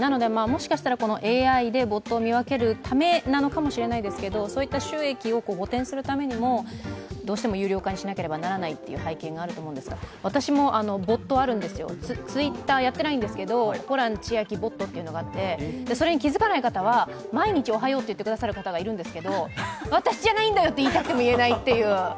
なのでもしかしたらＡＩでボットを見分けるためなのかもしれないですけどそういった収益を補填するためにもどうしても有料化にしなければならないという背景があると思うんですが、私もボットあるんですよＴｗｉｔｔｅｒやってないんですけどホラン千秋ボットっていうのがあってそれに気づかない方は毎日おはようって言ってくださる方がいるんですけど、私じゃないんだよと、言いたくても言えないという。